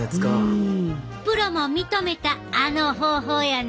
プロも認めたあの方法やな。